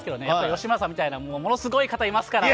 吉村さんみたいなものすごい方いますから。